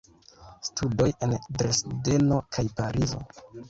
Studoj en Dresdeno kaj Parizo.